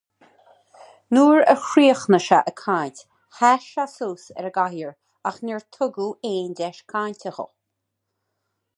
Nuair a chríochnaigh ag caint, sheas suas ar an gcathaoir ach níor tugadh aon deis cainte dó.